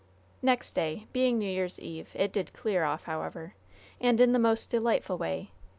Next day, being New Year's Eve, it did clear off, however. And in the most delightful way.